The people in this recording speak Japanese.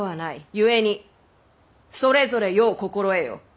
ゆえにそれぞれよう心得よ！